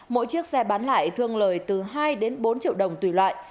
mỗi chiếc xe bán lại thường lời từ hai đến bốn triệu đồng tùy loại